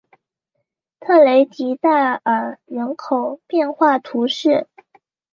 特雷迪代尔人口变化图示